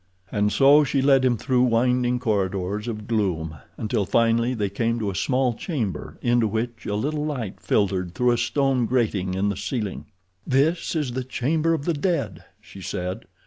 And so she led him through winding corridors of gloom, until finally they came to a small chamber into which a little light filtered through a stone grating in the ceiling. "This is the Chamber of the Dead," she said.